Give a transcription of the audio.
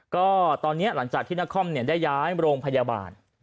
ก็ตอนนี้หลังจากที่นครได้ย้ายโรงพยาบาล